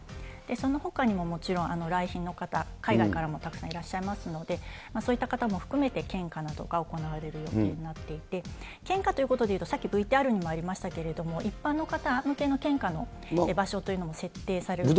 そのほかにももちろん、来賓の方、海外からもたくさんいらっしゃいますので、そういった方も含めて献花などが行われる予定になっていて、献花ということでいうと、さっきＶＴＲでもありましたけれども、一般の方向けの献花の場所というのも設定される。